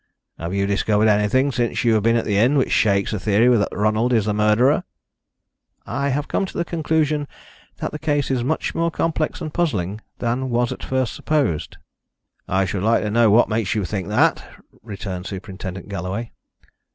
"Have you discovered anything, since you have been at the inn, which shakes the theory that Ronald is the murderer?" "I have come to the conclusion that the case is much more complex and puzzling than was at first supposed." "I should like to know what makes you think that," returned Superintendent Galloway.